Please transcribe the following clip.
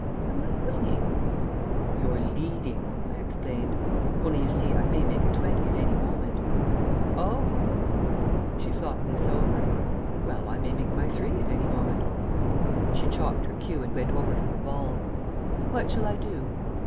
"Am I winning?" "You're leading," I explained. "Only, you see, I may make a twenty at any moment." "Oh!" She thought this over. "Well, I may make my three at any moment." She chalked her cue and went over to her ball. "What shall I do?"